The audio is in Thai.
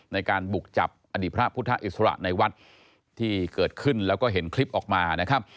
ในการบุกจับอดีตพระพุทธอิสระในวัดที่เกิดขึ้นแล้วก็เห็นคลิปออกมานะครับ